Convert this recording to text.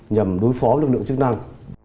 nhằm đối phó với lực lượng chức năng